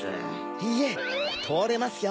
いいえとおれますよ